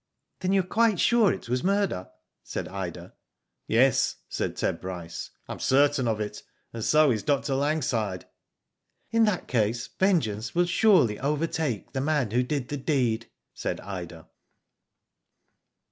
"Then you are quite sure it was murder?" said Ida. "Yes," said Ted Bryce. "Fm certain of it, and so is Dr. Langside.^' " In that caiss vengeance will surely overtake the man who did the deed," said Ida.